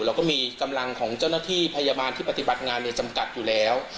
เราก็มีกำลังของเจ้าหน้าที่พยาบาลที่ปฏิบัติงานในจำกัดอยู่แล้ว